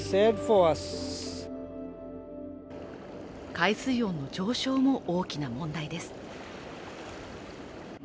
海水温の上昇も大きな問題です。